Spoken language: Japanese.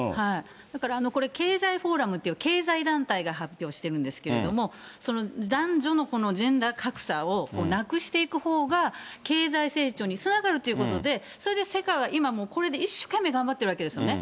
だからこれ、経済フォーラムという経済団体が発表してるんですけれども、男女のジェンダー格差をなくしていくほうが、経済成長につながるということで、それで世界は今、もうこれで一生懸命頑張ってるわけですよね。